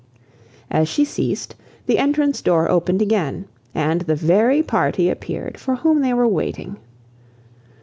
As she ceased, the entrance door opened again, and the very party appeared for whom they were waiting.